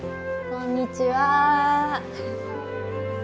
こんにちは。